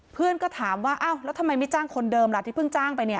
เพื่อนก็ถามว่าอ้าวแล้วทำไมไม่จ้างคนเดิมล่ะที่เพิ่งจ้างไปเนี่ย